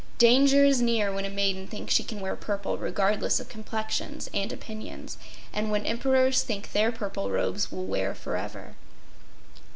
Danger is near when a maiden thinks she can wear purple regardless of complexions and opinions; and when Emperors think their purple robes will wear forever.